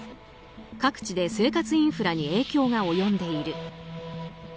各地で生活インフラに影響が及んでいる。